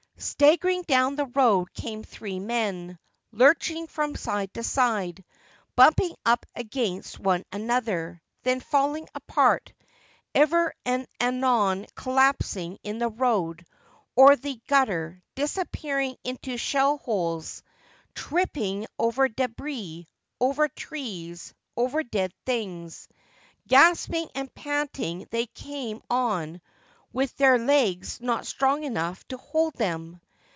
Staggering down the road came three men, lurching from side to side, bumping up against one another, then falling apart : ever and anon collapsing in the road or the gutter, disappearing into shell holes, tripping THE END OF "WIPERS" 6i over debris, over trees, over dead things. Gasping and panting they came on with their legs not strong enough to hold them.